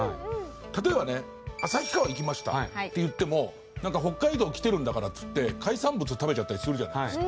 例えばね「旭川行きました」って言ってもなんか北海道来てるんだからっつって海産物食べちゃったりするじゃないですか。